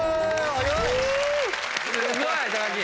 すごい木。